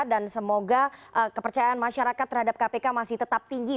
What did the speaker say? dan semoga kepercayaan masyarakat terhadap kpk masih tetap tinggi